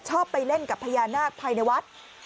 ไปเล่นกับพญานาคภายในวัด